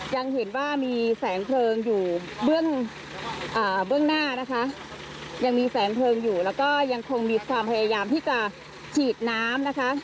ยังเห็นว่ามีแสงเพลิงอยู่เบื้องหน้านะคะยังมีแสงเพลิงอยู่แล้วก็ยังคงมีความพยายามที่จะฉีดน้ำนะคะ